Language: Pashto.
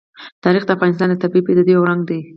تاریخ د افغانستان د طبیعي پدیدو یو رنګ دی.